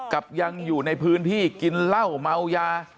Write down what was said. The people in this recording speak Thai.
ยังอยู่ในพื้นที่กินเหล้าเมายา